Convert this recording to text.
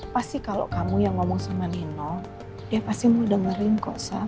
pasti kalau kamu yang ngomong sama nino dia pasti mau dengerin kok